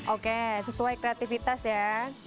oke sesuai kreativitas ya